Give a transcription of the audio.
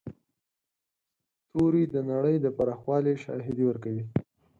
ستوري د نړۍ د پراخوالي شاهدي ورکوي.